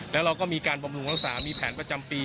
แล้วเราก็มีการบำรุงรักษามีแผนประจำปี